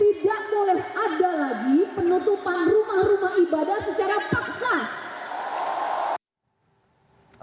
tidak boleh ada lagi penutupan rumah rumah ibadah secara paksa